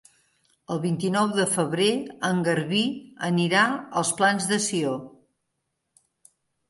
El vint-i-nou de febrer en Garbí anirà als Plans de Sió.